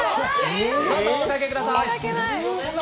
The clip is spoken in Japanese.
どうぞおかけください！